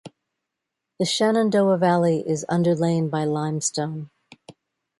The Shenandoah valley is underlain by limestone.